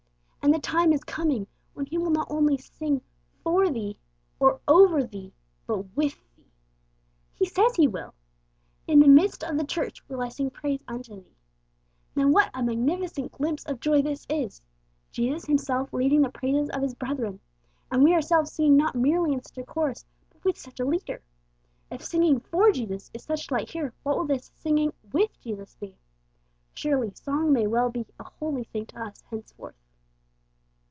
And the time is coming when He will not only sing 'for thee' or 'over thee,' but with thee. He says He will! 'In the midst of the church will I sing praise unto Thee.' Now what a magnificent glimpse of joy this is! 'Jesus Himself leading the praises of His brethren,'[footnote: See A. Newton on the Epistle to the Hebrews, ch. ii. ver. 12.] and we ourselves singing not merely in such a chorus, but with such a leader! If 'singing for Jesus' is such delight here, what will this 'singing with Jesus' be? Surely song may well be a holy thing to us henceforth.